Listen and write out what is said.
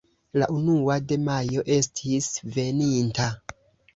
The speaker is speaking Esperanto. La unua de Majo estis veninta.